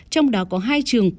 trong đó có hai trường